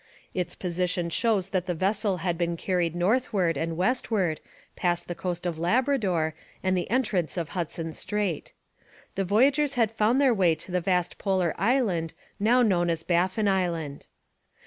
Its position shows that the vessel had been carried northward and westward past the coast of Labrador and the entrance of Hudson Strait. The voyagers had found their way to the vast polar island now known as Baffin Island.